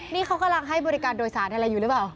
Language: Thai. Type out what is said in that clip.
นี่เขากำลังให้บริการโดยสารอะไรอยู่หรือเปล่า